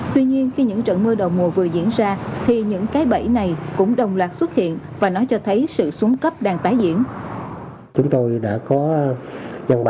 tuy nhiên khi những trận mưa đầu mùa vừa diễn ra thì những cái bẫy này cũng đồng loạt xuất hiện và nó cho thấy sự xuống cấp đang tái diễn